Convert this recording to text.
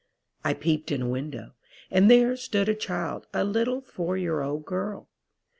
I peeped in a window, and there stood a child, a little four year old girl.